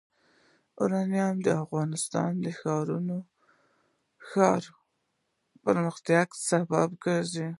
یورانیم د افغانستان د ښاري پراختیا سبب کېږي.